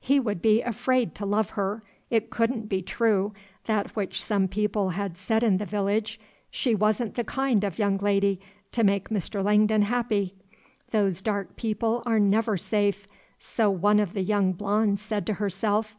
He would be afraid to love her; it couldn't be true, that which some people had said in the village; she was n't the kind of young lady to make Mr. Langdon happy. Those dark people are never safe: so one of the young blondes said to herself.